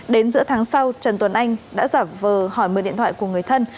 đến giữa tháng sau trần tuấn anh đã giả vờ hỏi mượn điện thoại của người thân